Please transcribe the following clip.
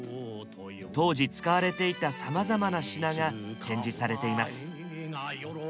当時使われていたさまざまな品が展示されています。